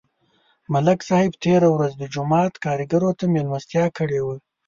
ملک صاحب تېره ورځ د جومات کارګرو ته مېلمستیا کړې وه